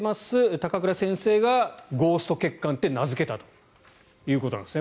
高倉先生がゴースト血管って名付けたということなんですね。